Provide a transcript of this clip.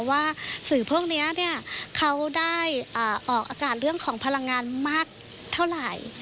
ว่าสื่อพวกนี้เขาได้ออกอากาศเรื่องของพลังงานมากเท่าไหร่